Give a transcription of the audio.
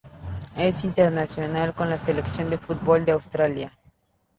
Es internacional con la Selección de fútbol de Austria.